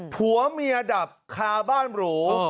ผัวเมียดับฆ่าบ้านหรูอ๋อ